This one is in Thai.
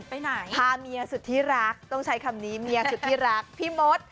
ไปไหนพาเมียสุดที่รักต้องใช้คำนี้เมียสุดที่รักพี่มด